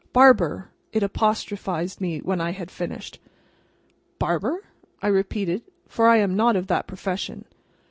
"Barber!" it apostrophised me when I had finished. "Barber?" I repeated—for I am not of that profession.